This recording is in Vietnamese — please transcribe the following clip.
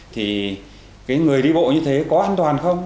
thì cái người đi bộ như thế có an toàn không